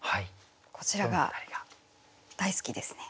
こちらが大好きですね。